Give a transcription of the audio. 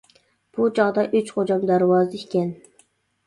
بۇ چاغدا ئۈچ خوجام دەرۋازىدا ئىكەن.